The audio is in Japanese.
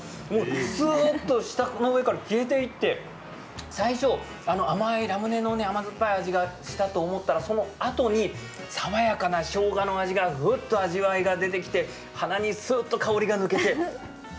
すうっと舌の上から消えていって最初、甘いラムネの甘酸っぱい味がしたと思ったらそのあとに爽やかなしょうがの味がぐっと味わいが出てきて鼻にすっと香りが抜けて。